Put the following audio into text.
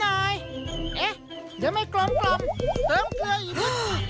เอ๊ะเดี๋ยวไม่กลมเติมเครื่องอีก